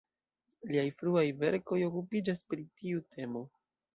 Liaj fruaj verkoj okupiĝas pri tiu temo.